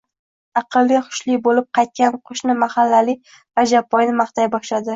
aqlli-hushli boʼlib qaytgan qoʼshni mahallali Rajabboyni maqtay boshladi.